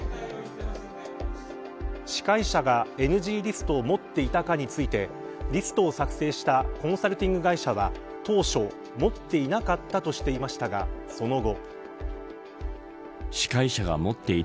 司会者がＮＧリストを持っていたかについてリストを作成したコンサルティング会社は当初、持っていなかったとしていましたがその後。